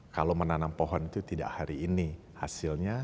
kalau menanam pohon itu tidak hari ini hasilnya